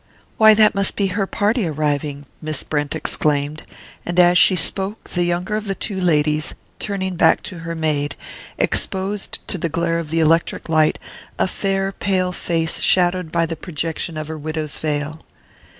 "Why, that must be her party arriving!" Miss Brent exclaimed; and as she spoke the younger of the two ladies, turning back to her maid, exposed to the glare of the electric light a fair pale face shadowed by the projection of her widow's veil.